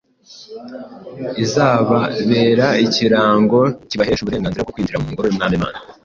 izababera ikirango kibahesha uburenganzira bwo kwinjira mu ngoro y’Umwami Imana.